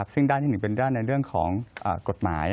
ซึ่งด้านที่๑เป็นด้านในเรื่องของกฎหมาย